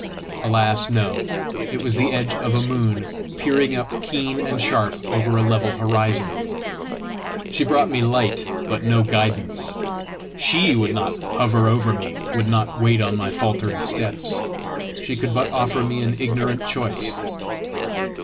Alas, no! it was the edge of a moon peering up keen and sharp over a level horizon! She brought me light but no guidance! SHE would not hover over me, would not wait on my faltering steps! She could but offer me an ignorant choice!